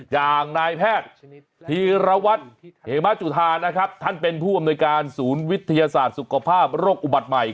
อย่างนายแพทย์ธีรวัตรเฮมะจุธานะครับท่านเป็นผู้อำนวยการศูนย์วิทยาศาสตร์สุขภาพโรคอุบัติใหม่